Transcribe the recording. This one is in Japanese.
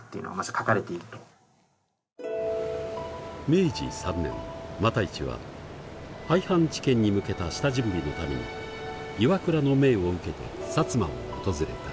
明治３年復一は廃藩置県に向けた下準備のために岩倉の命を受けて薩摩を訪れた。